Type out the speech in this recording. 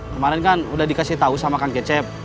kemaren kan udah dikasih tau sama kakek cep